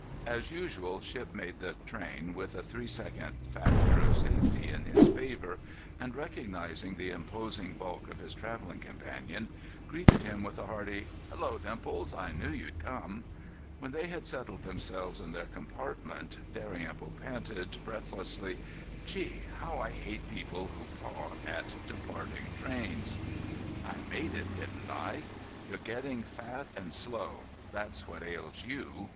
As usual, Shipp made the train with a three second factor of safety in his favor, and, recognizing the imposing bulk of his traveling companion, greeted him with a hearty: "Hello, Dimples! I knew you'd come." When they had settled themselves in their compartment Dalrymple panted, breathlessly: "Gee! How I hate people who paw at departing trains." "I made it, didn't I? You're getting fat and slow—that's what ails you.